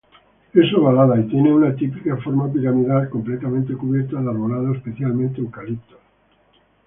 Es ovalada y tiene una típica forma piramidal completamente cubierta de arbolado, especialmente eucaliptos.